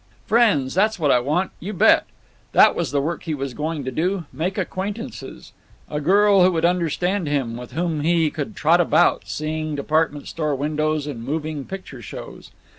"Friends, that's what I want. You bet!" That was the work he was going to do—make acquaintances. A girl who would understand him, with whom he could trot about, seeing department store windows and moving picture shows.